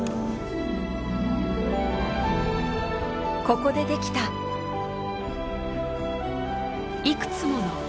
ここでできたいくつもの「初めて」。